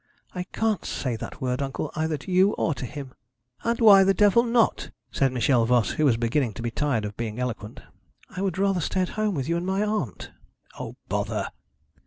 'I can't say that word, uncle, either to you or to him.' 'And why the devil not?' said Michel Voss, who was beginning to be tired of being eloquent. 'I would rather stay at home with you and my aunt.' 'O, bother!'